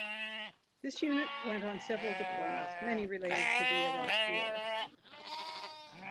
This unit went on several deployments, many related to the Iraq War.